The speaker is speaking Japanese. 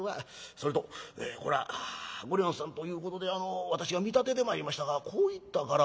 「それとこれは御寮人さんということで私が見立ててまいりましたがこういった柄は？」。